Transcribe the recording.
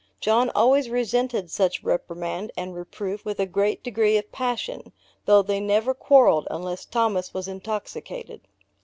John always resented such reprimand, and reproof, with a great degree of passion, though they never quarrelled, unless Thomas was intoxicated.